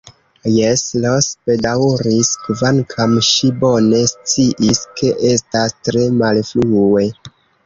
Jes, Ros bedaŭris, kvankam ŝi bone sciis, ke estas tre malfrue.